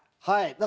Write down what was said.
はい。